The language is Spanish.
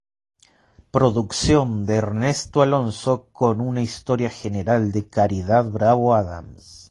Producción de Ernesto Alonso con una historia general de Caridad Bravo Adams.